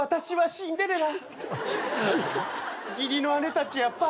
・シンデレラ。